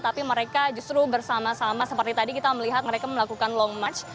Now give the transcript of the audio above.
tapi mereka justru bersama sama seperti tadi kita melihat mereka melakukan long march